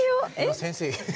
先生。